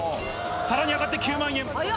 さらに上がって９万円。